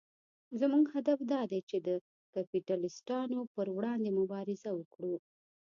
زموږ هدف دا دی چې د کپیټلېستانو پر وړاندې مبارزه وکړو.